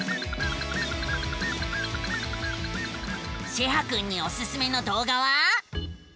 シェハくんにおすすめのどうがは？